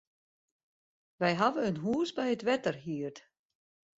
Wy hawwe in hûs by it wetter hierd.